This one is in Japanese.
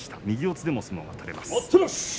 右四つでも相撲が取れます。